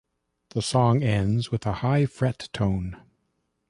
The song ends with a high fret tone.